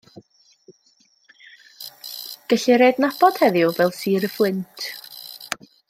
Gellir ei adnabod heddiw fel Sir y Fflint.